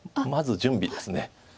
まず準備です。